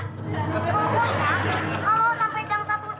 gokul ya kalau sampai